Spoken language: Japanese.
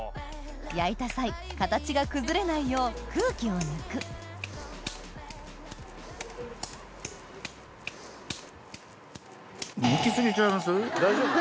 焼いた際形が崩れないよう空気を抜く大丈夫？